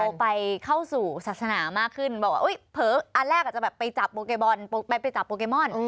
ต่อไปเข้าสู่ศาสนามากขึ้นเผออันแรกอาจจะไปจับโปเกมอน